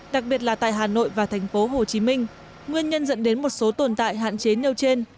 đặc biệt là tại hà nội và thành phố hồ chí minh nguyên nhân dẫn đến một số tồn tại hạn chế nêu trên